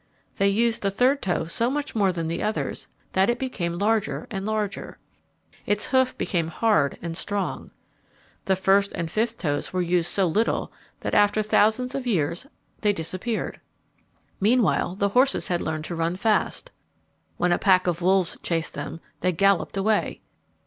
They used the third toe so much more than the others that it became larger and larger. Its hoof became hard and strong. The first and fifth toes were used so little that after thousands of years they disappeared. Meanwhile the horses had learned to run fast. When a pack of wolves chased them, they galloped away.